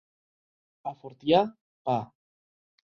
A Fortià, pa.